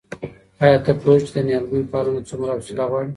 آیا ته پوهېږې چې د نیالګیو پالنه څومره حوصله غواړي؟